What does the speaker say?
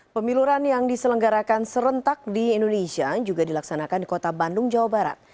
pemiluran yang diselenggarakan serentak di indonesia juga dilaksanakan di kota bandung jawa barat